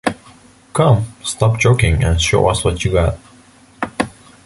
Come, stop joking, and show us what you've got.